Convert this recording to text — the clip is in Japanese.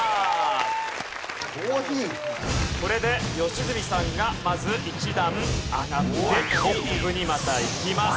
これで良純さんがまず１段上がってトップにまたいきます。